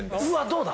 どうだ？